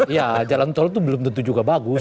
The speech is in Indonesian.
iya jalan tol tuh belum tentu juga bagus